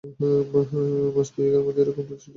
মাস দুয়েক আগে এ রকম একটা নোটিস দিয়েছিলেন ঠিকই।